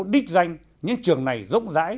đích danh những trường này rỗng rãi